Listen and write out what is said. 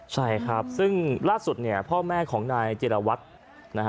ใช่ครับซึ่งล่าสุดพ่อแม่ของนายจิรวัตร